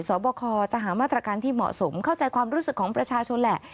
สอบคอจะหามาตรการที่เหมาะสมเข้าใจความรู้สึกของประชาชนแหละ